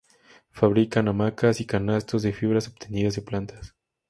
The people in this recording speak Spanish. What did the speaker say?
Fabrican hamacas y canastos de fibras obtenidas de plantas.